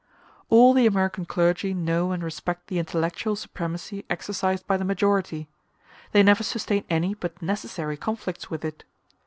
All the American clergy know and respect the intellectual supremacy exercised by the majority; they never sustain any but necessary conflicts with it.